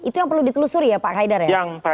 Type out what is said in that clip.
itu yang perlu ditelusuri ya pak haidar ya